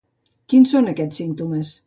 Quins són aquests símptomes?